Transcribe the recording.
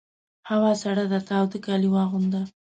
هوا سړه ده تاوده کالي واغونده!